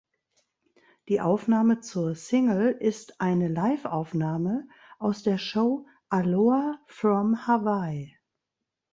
Die Aufnahme zur Single ist eine Liveaufnahme aus der Show "Aloha from Hawaii".